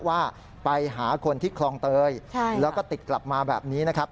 ว่าไปหาคนที่คลองเตยแล้วก็ติดกลับมาแบบนี้นะครับ